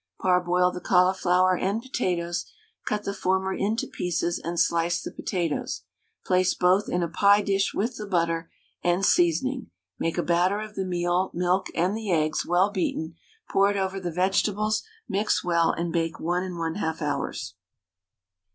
Parboil the cauliflower and potatoes, cut the former into pieces and slice the potatoes; place both in a pie dish with the butter and seasoning; make a batter of the meal, milk, and the eggs, well beaten; pour it over the vegetables, mix well, and bake 1 1/2 hours.